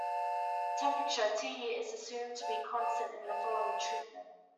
Temperature, "T", is assumed to be constant in the following treatment.